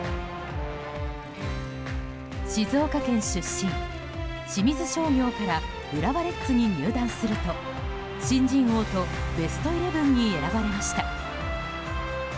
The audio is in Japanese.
静岡県出身、清水商業から浦和レッズに入団すると新人王とベストイレブンに選ばれました。